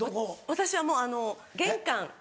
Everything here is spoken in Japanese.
私はもう玄関。